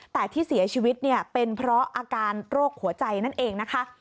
แต่ที่เสียชีวิตเนี่ยเป็นเพราะอาการโรคหัวใจนั่นเองนะคะ